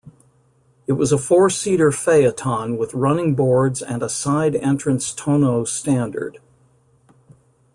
It was a four-seater phaeton with running boards and a side-entrance tonneau standard.